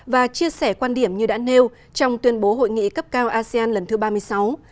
và chia sẻ quan điểm như đã nêu trong tuyên bố hội nghị cấp cao asean lần thứ ba mươi sáu